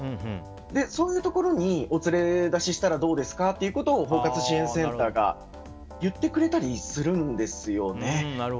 そういうところにお連れ出ししたらどうですか？ということを包括支援センターが言ってくれたりするんですよね。